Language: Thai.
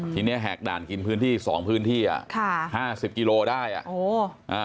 ทีเนี้ยแหกด่านกินพื้นที่สองพื้นที่อ่ะค่ะห้าสิบกิโลได้อ่ะโอ้อ่า